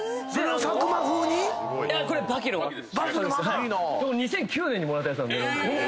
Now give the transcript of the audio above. ２００９年にもらったやつなんでホントに昔で。